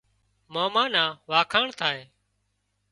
ماما نان وکاڻ ٿائي سي